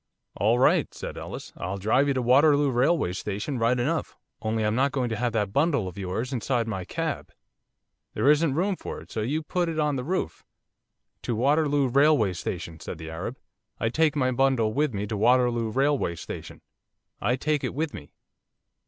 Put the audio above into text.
"All right," said Ellis, "I'll drive you to Waterloo Railway Station right enough, only I'm not going to have that bundle of yours inside my cab. There isn't room for it, so you put it on the roof." "To Waterloo Railway Station," said the Arab, "I take my bundle with me to Waterloo Railway Station, I take it with me."